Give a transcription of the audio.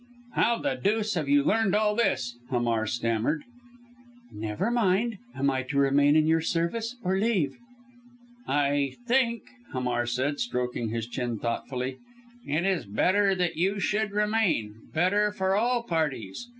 "How the deuce have you learned all this?" Hamar stammered. "Never you mind. Am I to remain in your service or leave?" "I think," Hamar said, stroking his chin thoughtfully, "it is better that you should remain better for all parties.